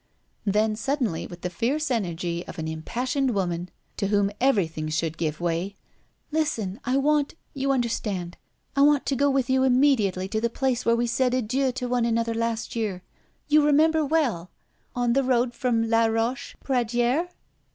Then, suddenly, with the fierce energy of an impassioned woman, to whom everything should give way: "Listen! I want you understand I want to go with you immediately to the place where we said adieu to one another last year! You remember well, on the road from La Roche Pradière?"